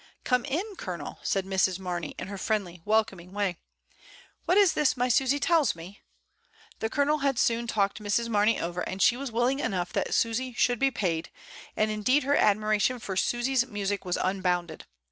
"Come in. Colonel," said Mrs. Marney, in her friendly welcoming way. "What is this my Susy tells me?" The Colonel had soon talked Mrs. Marney over; she was willing enough that Susy should be paid, and indeed her admira tion for Susy's music was unbounded.